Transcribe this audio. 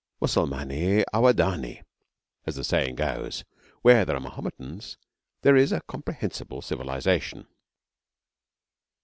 Musalmani awadani, as the saying goes where there are Mohammedans, there is a comprehensible civilisation.